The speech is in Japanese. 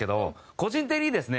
個人的にですね